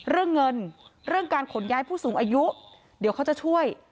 เรื่องเงินเรื่องการขนย้ายผู้สูงอายุเดี๋ยวเขาจะช่วย